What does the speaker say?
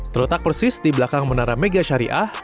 terletak persis di belakang menara megasyariah